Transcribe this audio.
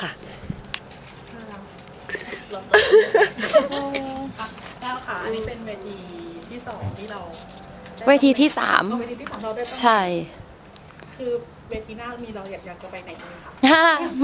แล้วค่ะอันนี้เป็นเวทีที่สองที่เราเวทีที่สามใช่คือเวทีหน้ามีเราอยากจะไปไหนดี